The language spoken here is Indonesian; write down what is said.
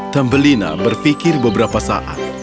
tambelina berfikir beberapa saat